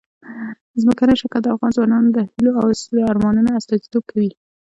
ځمکنی شکل د افغان ځوانانو د هیلو او ارمانونو استازیتوب کوي.